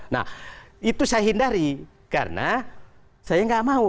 nah itu saya hindari karena saya nggak mau